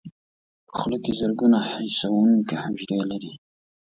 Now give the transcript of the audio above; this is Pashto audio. په خوله کې زرګونه حسونکي حجرې لري.